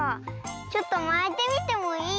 ちょっとまいてみてもいい？